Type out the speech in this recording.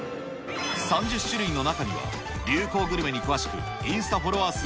３０種類の中には、流行グルメに詳しく、インスタフォロワー数